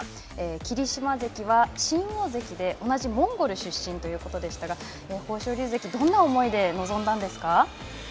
霧島関は新大関で、同じモンゴル出身ということでしたが、豊昇龍関、どんな思いで臨んだんですか。